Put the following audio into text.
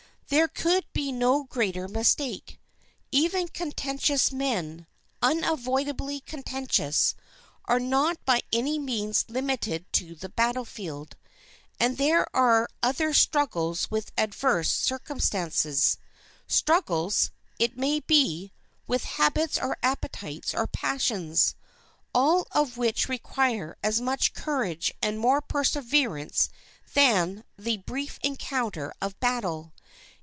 There could be no greater mistake. Even contentious men—unavoidably contentious—are not by any means limited to the battlefield. And there are other struggles with adverse circumstances—struggles, it may be, with habits or appetites or passions—all of which require as much courage and more perseverance than the brief encounter of battle.